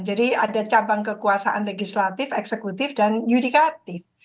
jadi ada cabang kekuasaan legislatif eksekutif dan yudikatif